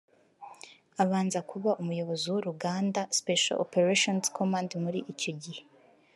abanza kuba umuyobozi w’urugamba (Special Operations Command) muri icyo gihe